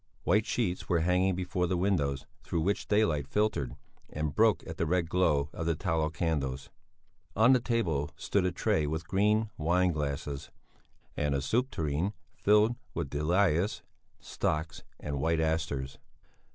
White sheets were hanging before the windows through which the daylight filtered and broke at the red glow of the tallow candles; on the table stood a tray with green wine glasses, and a soup tureen filled with dahlias, stocks, and white asters.